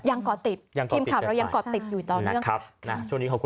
ยังเกาะติดทีมขับเรายังเกาะติดอยู่ตอนเรื่อง